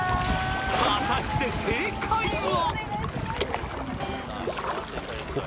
［果たして正解は？］